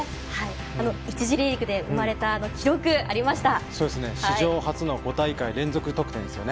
１次リーグで生まれた史上初の５大会連続得点ですよね。